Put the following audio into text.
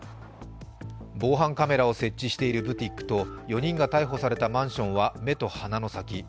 防犯カメラを設置しているブティックと４人が逮捕されたマンションは目と鼻の先。